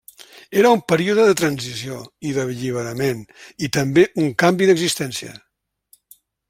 Era un període de transició i d'alliberament, i també un canvi d'existència.